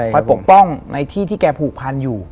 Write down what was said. ปกป้องในที่ที่แกผูกพันอยู่